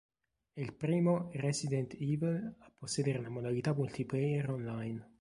È il primo "Resident Evil" a possedere una modalità multiplayer online.